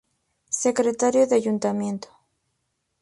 Secretario del ayuntamiento.